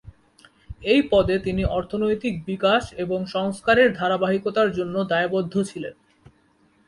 এই পদে তিনি অর্থনৈতিক বিকাশ এবং সংস্কারের ধারাবাহিকতার জন্য দায়বদ্ধ ছিলেন।